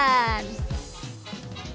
itu ada anak anak mewah apalaik véritable